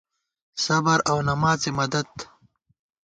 صبر اؤ نماڅے مدد